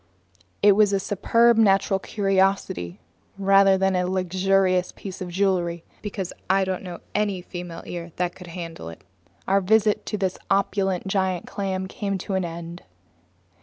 It was a superb natural curiosity rather than a luxurious piece of jewelry, because I don't know of any female ear that could handle it. Our visit to this opulent giant clam came to an end.